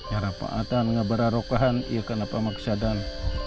ya rapaatan ngeberarokahan iya kanapa maksadan